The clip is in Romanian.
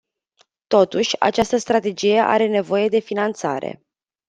Totuși, această strategie are nevoie de finanțare.